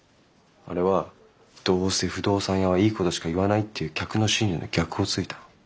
あれは「どうせ不動産屋はいいことしか言わない」っていう客の心理の逆をついたの。